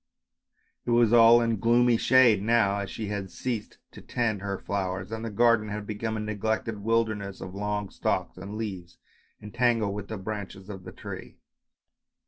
It was all in gloomy shade now, as she had ceased to tend her flowers and the garden had become a neglected wilder ness of long stalks and leaves entangled with the branches of the tree.